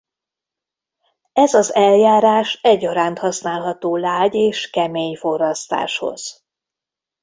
Ez az eljárás egyaránt használható lágy- és kemény forrasztáshoz.